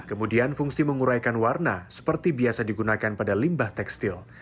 kemudian fungsi menguraikan warna seperti biasa digunakan pada limbah tekstil